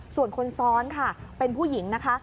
ส่วนคนซ้อนค่ะเป็นผู้หญิงนะคะ